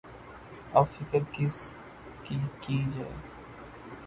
اب فکر کس کی‘ کی جائے؟